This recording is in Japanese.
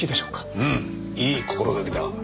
うんいい心がけだ。